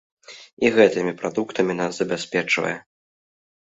І гэтымі прадуктамі нас забяспечвае.